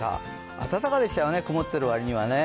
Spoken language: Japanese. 暖かでしたよね曇ってる割にはね。